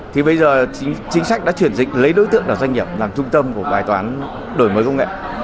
thì bây giờ chính sách đã chuyển dịch lấy đối tượng là doanh nghiệp làm trung tâm của bài toán đổi mới công nghệ